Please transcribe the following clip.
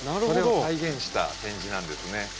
それを再現した展示なんですね。